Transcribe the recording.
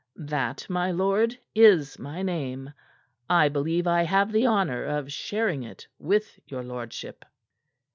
"That, my lord, is my name. I believe I have the honor of sharing it with your lordship."